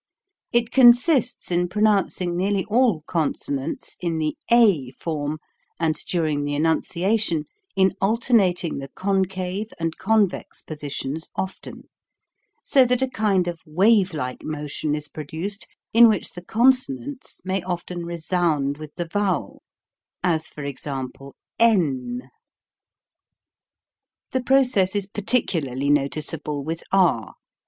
It consists in pronounc ing nearly all consonants in the a form and during the enunciation in alternating the con cave and convex positions often, so that a kind of wavelike motion is produced in which the consonants may often resound with the vowel, as for example: The process is particularly noticeable with r.